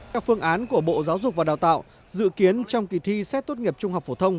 các phương án của bộ giáo dục và đào tạo dự kiến trong kỳ thi xét tốt nghiệp trung học phổ thông